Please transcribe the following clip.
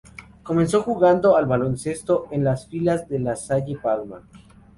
Comenzó jugando al baloncesto en las filas de La Salle Palma.